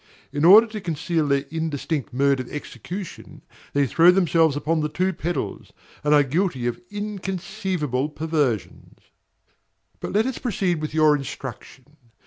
In order to conceal their indistinct mode of execution, they throw themselves upon the two pedals, and are guilty of inconceivable perversions. But let us proceed with your instruction.